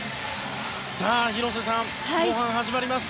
広瀬さん、後半が始まります。